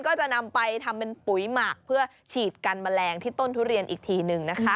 ก็จะนำไปทำเป็นปุ๋ยหมักเพื่อฉีดกันแมลงที่ต้นทุเรียนอีกทีหนึ่งนะคะ